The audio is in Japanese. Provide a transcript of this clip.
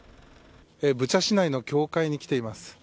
ブチャ市内の教会に来ています。